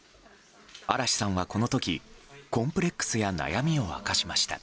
嵐さんは、この時コンプレックスや悩みを明かしました。